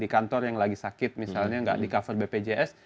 di kantor yang lagi sakit misalnya nggak di cover bpjs